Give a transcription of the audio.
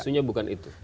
isunya bukan itu